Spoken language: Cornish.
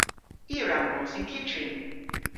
I a wra mos yn kyttrin.